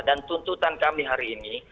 dan tuntutan kami hari ini untuk berkata